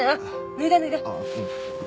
脱いで脱いで！